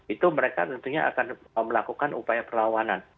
itu mereka tentunya akan melakukan upaya perlawanan